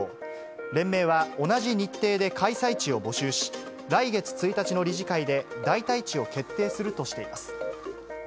連盟は同じ日程で開催地を募集し、来月１日の理事会で代替地を決定するとしています。